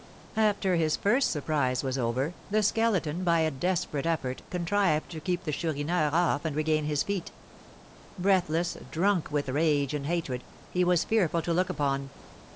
After his first surprise was over, the Skeleton, by a desperate effort, contrived to keep the Chourineur off and regain his feet. Breathless, drunk with rage and hatred, he was fearful to look upon.